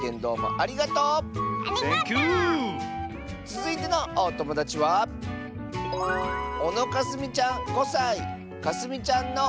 つづいてのおともだちはかすみちゃんの。